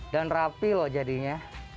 dan rapi loh jadinya